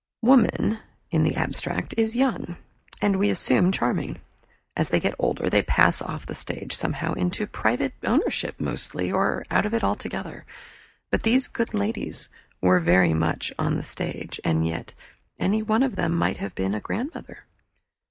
"Woman" in the abstract is young, and, we assume, charming. As they get older they pass off the stage, somehow, into private ownership mostly, or out of it altogether. But these good ladies were very much on the stage, and yet any one of them might have been a grandmother.